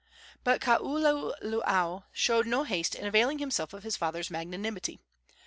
But Kaululaau showed no haste in availing himself of his father's magnanimity.